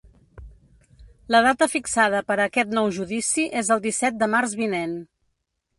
La data fixada per a aquest nou judici és el disset de març vinent.